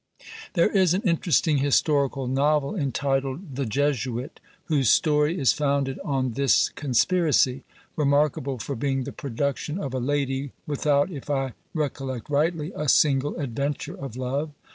There is an interesting historical novel, entitled "The Jesuit," whose story is founded on this conspiracy; remarkable for being the production of a lady, without, if I recollect rightly, a single adventure of love.